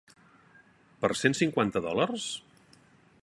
Per cent cinquanta dòlars?